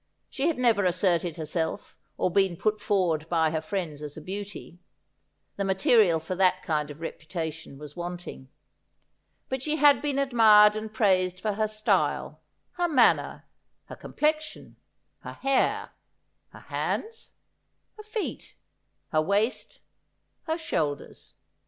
She had never asserted herself or been put forward by her friends as a beauty. The material for that kind of reputation was wanting. But she had been admired and praised for her style, her manner, her complexion, her hair, her hands, her feet, her waist, her shoulders.